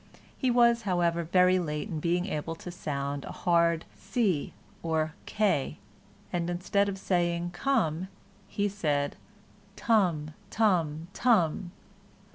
He was, however, very late in being able to sound a hard it "c" or "k," and, instead of saying "Come," he said "Tum tum, tum."